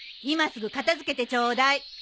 今すぐ片付けてちょうだい。